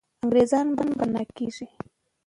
انګریزان به پنا کېږي.